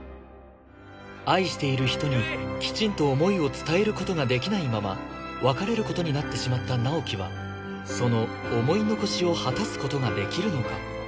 愛している人にきちんと思いを伝えることができないまま別れることになってしまった直木はその思い残しを果たすことができるのか？